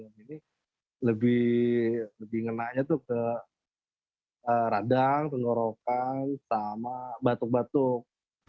kalau yang varian ini lebih ngenanya ke radang pengorokan sama batuk batuk